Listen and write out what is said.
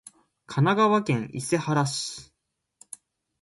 神奈川県伊勢原市